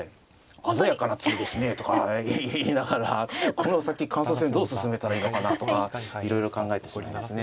「鮮やかな詰みですね」とか言いながらこの先感想戦どう進めたらいいのかなとかいろいろ考えてしまいますね。